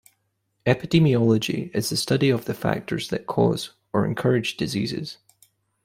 Epidemiology is the study of the factors that cause or encourage diseases.